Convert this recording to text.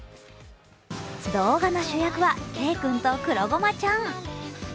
動画の主役はＫ君とくろごまちゃん。